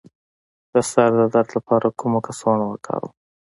د سر د درد لپاره کومه کڅوړه وکاروم؟